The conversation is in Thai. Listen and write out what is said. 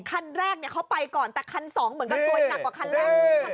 คันแรกเขาไปก่อนแต่คันสองเหมือนกันตัวอีกกว่าคันหลัง